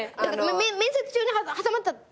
面接中に挟まったら。